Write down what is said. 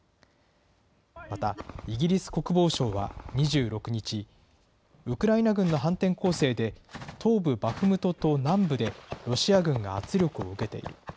また、イギリス国防省は２６日、ウクライナ軍が反転攻勢で東部バフムトと南部で、ロシア軍が圧力を受けている。